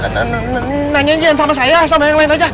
nanyain jangan sama saya sama yang lain aja